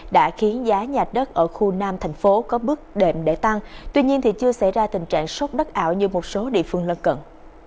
đã khiến giá nhà đất ở khu nam thành phố có bước đệm để tăng tuy nhiên chưa xảy ra tình trạng sốc đất ảo như một số địa phương lân cận